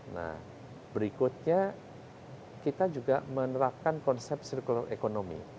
nah berikutnya kita juga menerapkan konsep circular economy